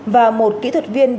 và một kỹ thuật viên trưởng